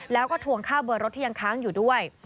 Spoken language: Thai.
แล้วก็ทวงค่าเบอร์รถที่ยังค้างอยู่ด้วย